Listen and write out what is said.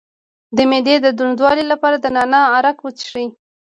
د معدې د دروندوالي لپاره د نعناع عرق وڅښئ